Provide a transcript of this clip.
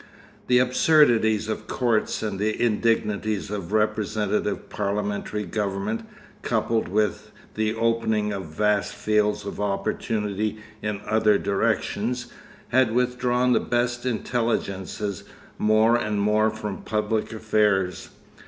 The absurdities of courts and the indignities of representative parliamentary government, coupled with the opening of vast fields of opportunity in other directions, had withdrawn the best intelligences more and more from public affairs.